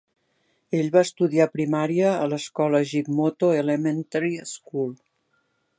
Ell va estudiar primària a l'escola Gigmoto Elementary School.